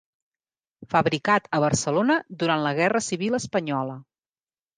Fabricat a Barcelona durant la Guerra Civil Espanyola.